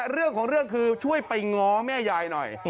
เรื่องของเรื่องคือช่วยไปง้อแม่ยายหน่อย